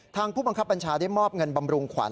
ผู้บังคับบัญชาได้มอบเงินบำรุงขวัญ